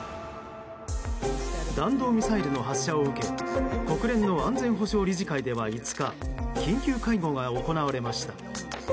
弾道ミサイルの発射を受け国連の安全保障理事会では５日緊急会合が行われました。